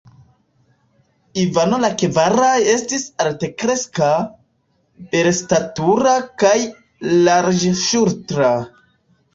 Ivano la kvara estis altkreska, belstatura kaj larĝŝultra.